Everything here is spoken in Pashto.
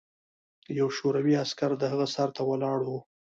یو شوروي عسکر د هغه سر ته ولاړ و